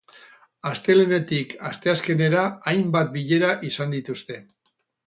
Astelehenetik asteazkenera hainbat bilera izan dituzte.